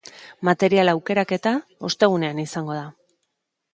Material aukeraketa ostegunean izango da.